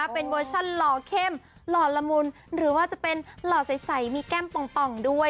เป็นเวอร์ชันหล่อเข้มหล่อละมุนหรือว่าจะเป็นหล่อใสมีแก้มป่องด้วย